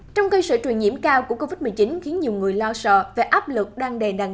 trong cây sợi truyền nhiễm cao của covid một mươi chín khiến nhiều người lo sợ về áp lực đang đề nặng